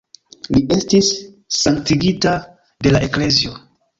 Li estis sanktigita de la eklezio.